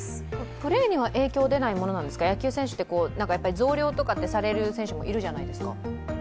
プレーには影響出ないものなんですか、野球選手って増量とかされる選手もいるじゃないですか。